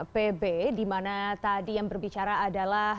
pb dimana tadi yang berbicara adalah